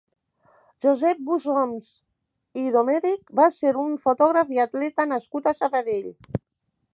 Josep Busoms i Domènech va ser un fotògraf i atleta nascut a Sabadell.